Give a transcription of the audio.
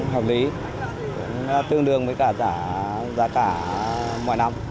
hợp lý tương đương với cả giá cả mỗi năm